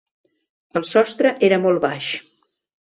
El sostre era molt baix.